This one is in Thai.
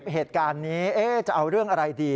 เหตุการณ์นี้จะเอาเรื่องอะไรดี